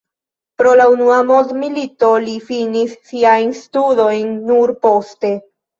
Pro la unua mondmilito li finis siajn studojn nur poste.